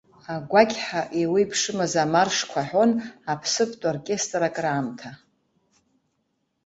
Агәақьҳәа еиуеиԥшымыз амаршқәа аҳәон аԥсыԥтә оркестр акраамҭа.